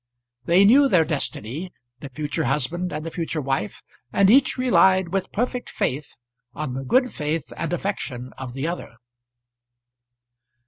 They knew their destiny, the future husband and the future wife, and each relied with perfect faith on the good faith and affection of the other.